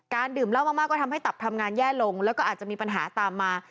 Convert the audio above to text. ดื่มเหล้ามากก็ทำให้ตับทำงานแย่ลงแล้วก็อาจจะมีปัญหาตามมา